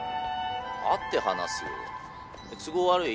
☎会って話すよ☎都合悪い？